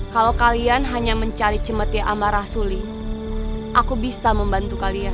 kalau kalian hanya mencari cemetia amarah suli aku bisa membantu kalian